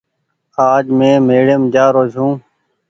آج مين ميڙيم جآ رو ڇو۔